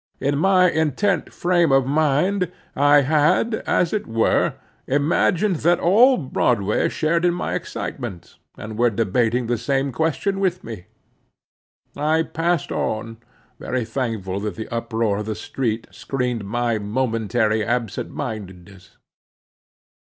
In my intent frame of mind, I had, as it were, imagined that all Broadway shared in my excitement, and were debating the same question with me. I passed on, very thankful that the uproar of the street screened my momentary absent mindedness.